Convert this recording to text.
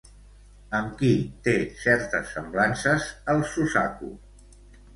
Amb qui té certes semblances, el Suzaku?